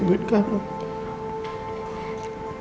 untuk terakhir kalinya